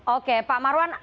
oke pak marwan